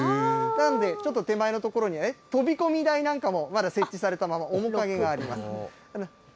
なんで、ちょっと手前の所に、飛び込み台なんかも、まだ設置されたまま、面影があります。